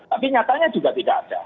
tapi nyatanya juga tidak ada